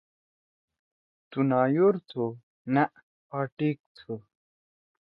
تُھو نایور تُھو؟ نأ آ ٹھیک تُھو۔